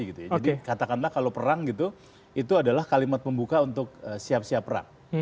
jadi kata kata kalau perang itu adalah kalimat pembuka untuk siap siap perang